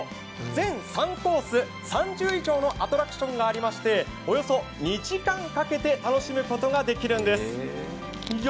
全３コース、３０以上のアトラクションがありましておよそ２時間かけて楽しむことができるんです。